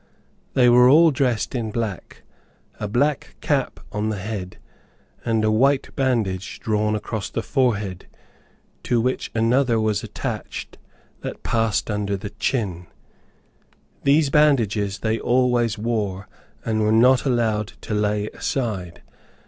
They were all dressed in black, a black cap on the head, and a white bandage drawn across the forehead, to which another was attached, that passed under the chin. These bandages they always wore, and were not allowed to lay aside.